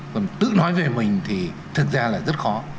còn tự nói về mình thì thật ra là rất khó